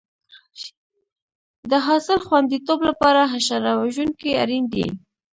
د حاصل خوندیتوب لپاره حشره وژونکي اړین دي.